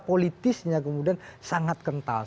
politisnya kemudian sangat kental